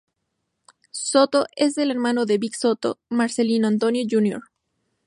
Sotto es el hermano de Vic Sotto, Marcelino Antonio Jr.